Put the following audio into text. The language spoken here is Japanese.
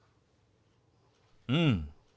うん。